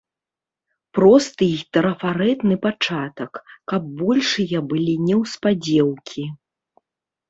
Просты і трафарэтны пачатак, каб большыя былі неўспадзеўкі.